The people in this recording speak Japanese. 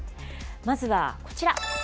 まずはこちら。